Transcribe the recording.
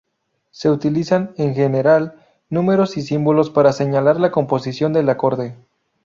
Se utilizan en general, números y símbolos para señalar la composición del acorde.